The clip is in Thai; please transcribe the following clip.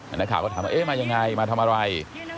นักข่าวก็ถามว่าเอ๊ะมายังไงมาทำอะไร